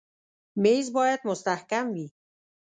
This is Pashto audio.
مېز باید مستحکم وي.